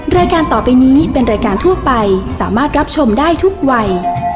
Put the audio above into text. รายการต่อไปนี้เป็นรายการทั่วไปสามารถรับชมได้ทุกวัย